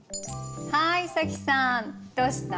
はい早紀さんどうした？